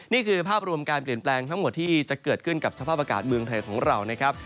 นี่คือภาพรวมการเปลี่ยนแปลงทั้งหมดที่จะเกิดขึ้นกับสภาพอากาศเมืองไทยของเรานะครับ